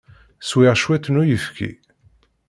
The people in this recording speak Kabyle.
Swiɣ cwiṭ n uyefki.